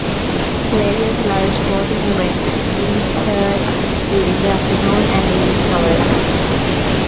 Various live sporting events can be heard during the afternoon and evening hours.